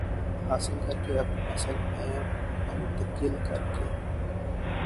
حاصل کر کے اپنی نسل میں منتقل کر کے